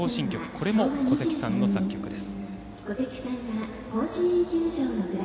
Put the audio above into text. これも古関裕而さんの作曲です。